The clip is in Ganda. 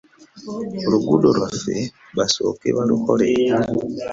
Oluguudo lwaffe basooke balukole.